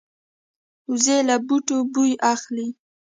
وزې له بوټو بوی اخلي